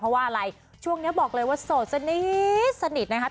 เพราะว่าอะไรช่วงนี้บอกเลยว่าโสดสนิทนะคะ